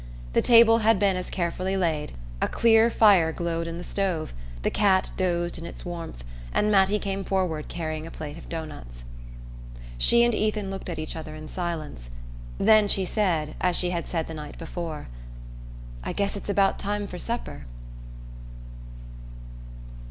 The table had been as carefully laid, a clear fire glowed in the stove, the cat dozed in its warmth, and Mattie came forward carrying a plate of dough nuts. She and Ethan looked at each other in silence; then she said, as she had said the night before: "I guess it's about time for supper."